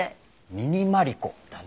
ミニマリコだね。